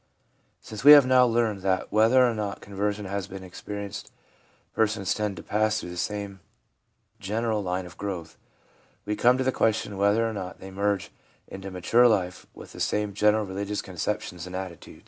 Since we have now learned that whether or not con version has been experienced persons tend to pass through the same general line of growth, we come to the question whether or not they merge into mature life with the same general religious conceptions and attitudes.